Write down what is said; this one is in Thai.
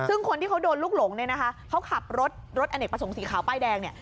ซึ่งคนที่เขาโดนลูกหลงเนี่ยนะคะเขาขับรถรถอเนกประสงค์สีขาวป้ายแดงเนี่ย